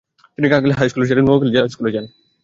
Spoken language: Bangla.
তিনি কাগিল হাইস্কুল ছেড়ে নোয়াখালী জেলা স্কুলে চলে যান।